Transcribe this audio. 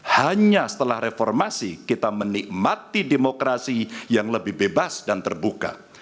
hanya setelah reformasi kita menikmati demokrasi yang lebih bebas dan terbuka